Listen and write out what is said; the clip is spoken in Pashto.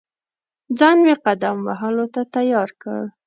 ځان مې قدم وهلو ته تیار کړ.